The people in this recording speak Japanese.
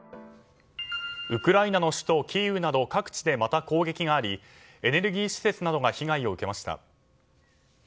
ウクライナの首都キーウなど各地でまた攻撃がありエネルギー施設などが被害を受けました。